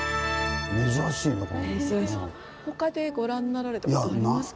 他でご覧になられたことありますか？